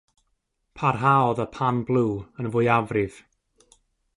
Parhaodd y pan-blue yn fwyafrif.